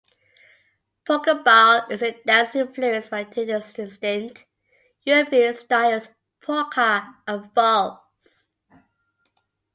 Polkabal is a dance influenced by two distinct European styles: polka and valse.